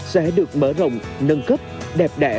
sẽ được mở rộng nâng cấp đẹp đẽ